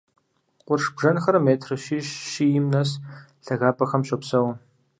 Къурш бжэнхэр метр щищ-щийм нэс лъагапӀэхэм щопсэу.